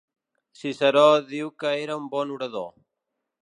Ciceró diu que era un bon orador.